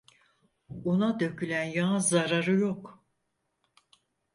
Una dökülen yağın zararı yok.